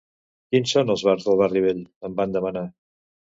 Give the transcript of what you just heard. “Quins són els bars del barri vell?”, em van demanar.